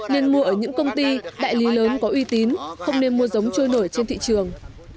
nên mua ở những công ty đại lý lớn có uy tín không nên mua giống trôi nổi trên thị trường